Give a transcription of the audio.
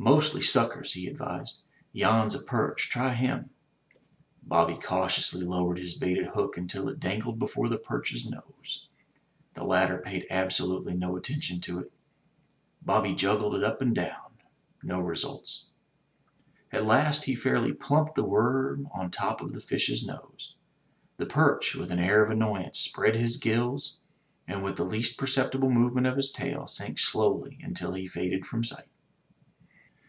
''Mostly suckers," he advised. "Yan's a perch, try him." Bobby cautiously lowered his baited hook until it dangled before the perch's nose. The latter paid absolutely no atten tion to it. Bobby juggled it up and down. No results. At last he fairly plumped the worm on top of the fish's nose. The perch, with an air of annoyance, spread his gills and, with the least per ceptible movement of his tail, sank slowly until he faded from sight.